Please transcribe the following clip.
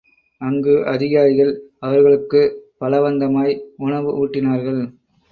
அங்கு அதிகாரிகள் அவர்களுக்குப் பலவந்தமாய் உணவு ஊட்டினார்கள்.